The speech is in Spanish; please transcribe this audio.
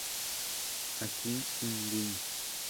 A Queen in Wien.